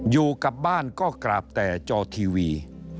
อยู่กับบ้านก็กราบแต่จอทีวี